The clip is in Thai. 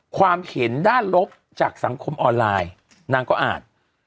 ความเห็นด้านลบจากสังคมออนไลน์นางก็อ่าน